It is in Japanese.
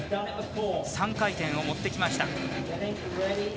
３回転を持ってきました。